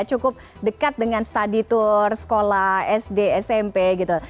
cukup dekat dengan study tour sekolah sd smp gitu